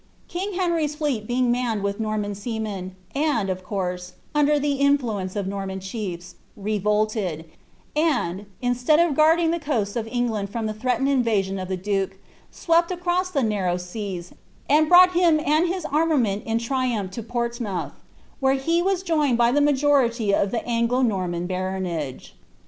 King Henry's fleet being manned with Norman seamen, and, of course, under the influence of Norman chiefs, revolted, and, instead of guarding the coasts of England from the threatened invasion of the duke, swept across the narrow seas, and brought him and his armament in triumph to Portsmouth, where he was joined by tlie majority of the Anglo Nonnan baronage.'